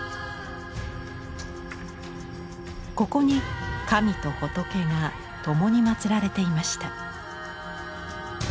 ここに神と仏が共にまつられていました。